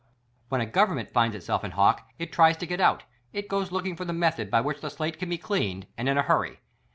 When a Government finds itself in hock it tries to get out ; it goes looking for the method by which the slate can be cleaned, and in a hurry!